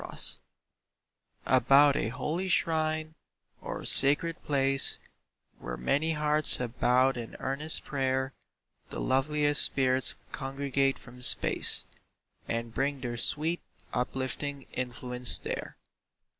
SHRINES About a holy shrine or sacred place, Where many hearts have bowed in earnest prayer, The loveliest spirits congregate from space, And bring their sweet, uplifting influence there.